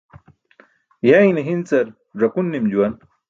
Yayne hi̇ncar ẓakun nim juwan.